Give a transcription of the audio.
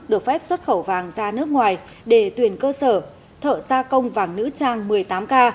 được phép xuất khẩu vàng ra nước ngoài để tuyển cơ sở thợ gia công vàng nữ trang một mươi tám k